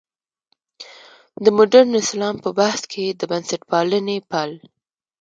د مډرن اسلام په بحث کې د بنسټپالنې پل.